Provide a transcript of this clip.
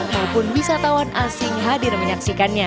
maupun wisatawan asing hadir menyaksikannya